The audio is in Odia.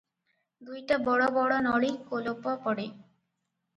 ଦୁଇଟା ବଡ଼ ବଡ଼ ନଳୀ କୋଲପ ପଡ଼େ ।